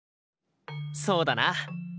そうだな。